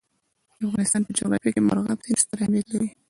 د افغانستان په جغرافیه کې مورغاب سیند ستر اهمیت لري.